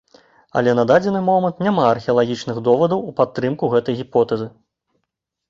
Але на дадзены момант няма археалагічных довадаў у падтрымку гэтай гіпотэзы.